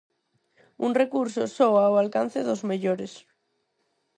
Un recurso só ao alcance dos mellores.